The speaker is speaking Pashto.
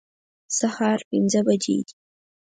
سهار پنځه بجې دي